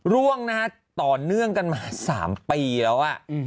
ร่วงนะฮะต่อเนื่องกันมา๓ปีแล้ว